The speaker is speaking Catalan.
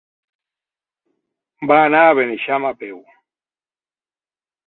Va anar a Beneixama a peu.